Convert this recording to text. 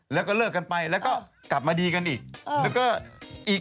แล้วก็เลิกกันไปแล้วก็กลับมาดีกันอีก